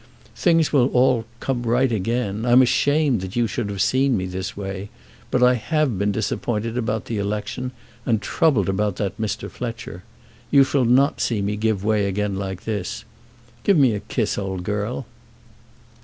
Things will all come right again. I'm ashamed that you should have seen me in this way; but I have been disappointed about the election, and troubled about that Mr. Fletcher. You shall not see me give way again like this. Give me a kiss, old girl."